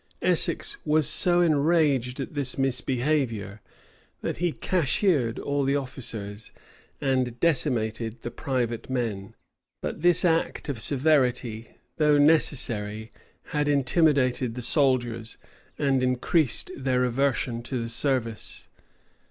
Essex was so enraged at this misbehavior, that he cashiered all the officers, and decimated the private men.[*] But this act of seventy, though necessary, had intimidated the soldiers, and increased their aversion to the service.